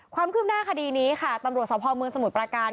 ความคืบหน้าคดีนี้ค่ะตำรวจสภเมืองสมุทรประการ